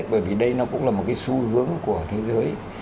bởi vì đây nó cũng là một cái xu hướng của thế giới